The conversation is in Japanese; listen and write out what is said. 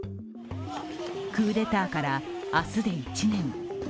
クーデターから明日で１年。